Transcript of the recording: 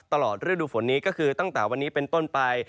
ตลอดฤดูฝนนี้ก็คือตั้งแต่วันนี้เป็นต้นไป